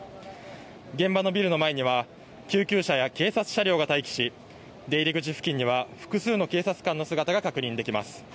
現場のビルの前には救急車や警察車両が待機し出入り口付近には複数の警察官の姿が確認できます。